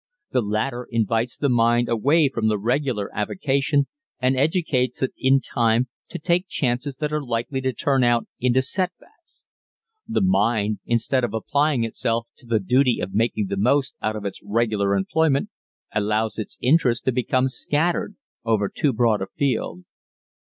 The latter invites the mind away from the regular avocation and educates it in time to take chances that are likely to turn into setbacks. The mind, instead of applying itself to the duty of making the most out of its regular employment, allows its interest to become scattered over too broad a field.